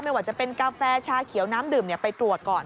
ไม่ว่าจะเป็นกาแฟชาเขียวน้ำดื่มไปตรวจก่อน